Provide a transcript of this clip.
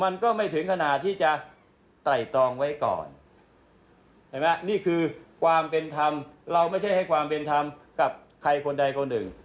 นี่คือความเป็นธรรมเราไม่ใช่ให้ความเป็นธรรมกับใครคนใดคนหนึ่ง